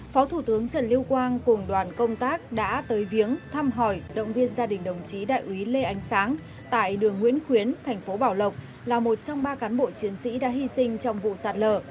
phó thủ tướng trần lưu quang cùng đoàn công tác đã tới viếng thăm hỏi động viên gia đình đồng chí đại úy lê ánh sáng tại đường nguyễn khuyến thành phố bảo lộc là một trong ba cán bộ chiến sĩ đã hy sinh trong vụ sạt lở